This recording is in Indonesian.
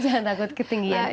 jangan takut ketinggian